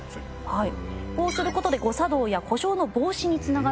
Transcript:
はい。